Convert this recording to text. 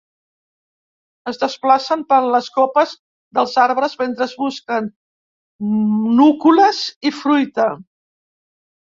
Es desplacen per les copes dels arbres mentre busquen núcules i fruita.